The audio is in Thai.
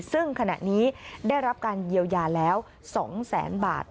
ซึ่งขณะนี้ได้รับการเยียวยาแล้ว๒แสนบาท